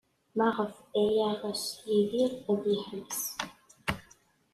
Maɣef ay yeɣs Yidir ad yeḥbes?